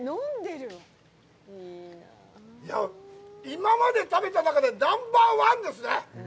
今まで食べた中で、ナンバーワンですね！